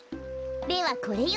レはこれよ！